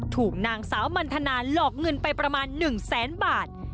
ถูกนางสาวมันทนาหลอกเงินไปประมาณ๑แสนบาท